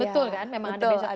betul kan memang ada desakan